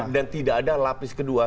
dan tidak ada lapis kedua